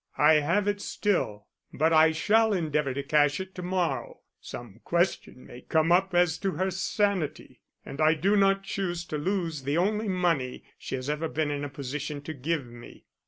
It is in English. I have it still, but I shall endeavor to cash it to morrow. Some question may come up as to her sanity, and I do not choose to lose the only money she has ever been in a position to give me."